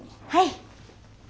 はい！